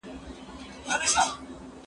زه اجازه لرم چي زده کړه وکړم..